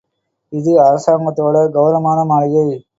இது அரசாங்கத்தோட கெளரவமான மாளிகை.